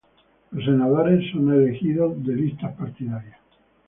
Los senadores son elegidos de listas partidarias.